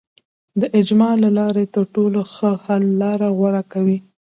د اجماع له لارې تر ټولو ښه حل لاره غوره کوي.